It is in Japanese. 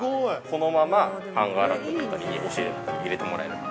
◆このままハンガーラックの中に入れてもらえれば。